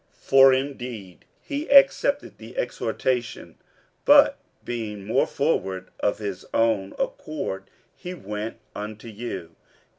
47:008:017 For indeed he accepted the exhortation; but being more forward, of his own accord he went unto you.